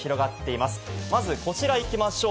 まずこちらいきましょう。